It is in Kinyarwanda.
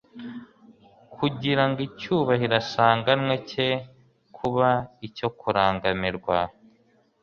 kugira ngo icyubahiro asanganywe cye kuba icyo kurangamirwa.